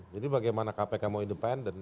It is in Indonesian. jadi bagaimana kpk mau independen